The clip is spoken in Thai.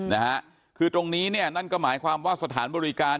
นะฮะคือตรงนี้เนี่ยนั่นก็หมายความว่าสถานบริการ